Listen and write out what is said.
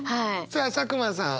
さあ佐久間さん。